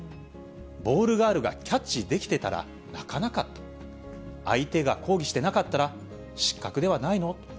ボールガールがキャッチできてたら泣かなかったら、相手が抗議してなかったら、失格ではないの？